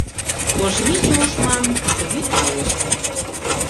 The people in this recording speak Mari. Ош Виче ошмам вӱд налеш да